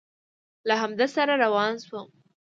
له همده سره روان شوم.